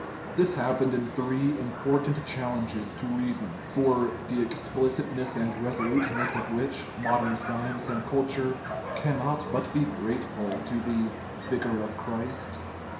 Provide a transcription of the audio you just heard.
This happened in three important challenges to reason, for the explicitness and resolute ness of which modern science and culture cannot but be grateful to the " Vicar of Christ."